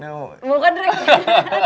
mau buka drake